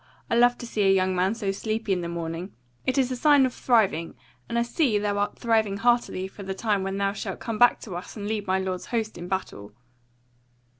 I love to see a young man so sleepy in the morning; it is a sign of thriving; and I see thou art thriving heartily for the time when thou shalt come back to us to lead my lord's host in battle."